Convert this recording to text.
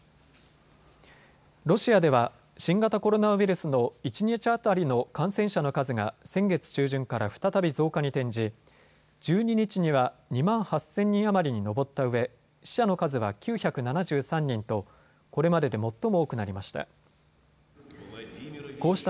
ロシアでは新型コロナウイルスの一日当たりの感染者の数が先月中旬から再び増加に転じ、１２日には２万８０００人余りに上ったうえ死者の数は９７３人とこれまでで最も多くなりました。